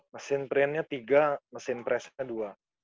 mesin printnya tiga mesin presnya dua